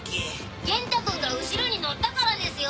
元太くんが後ろに乗ったからですよ。